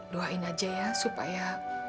doain aja ya supaya